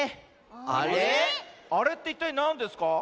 あれっていったいなんですか？